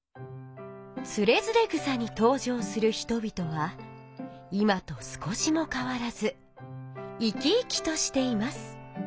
「徒然草」にとう場する人々は今と少しもかわらず生き生きとしています。